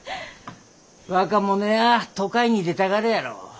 若者や都会に出たがるやろ。